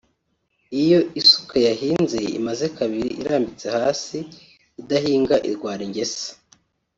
iyo isuka yahinze imaze kabiri irambitse hasi idahinga irwara ingese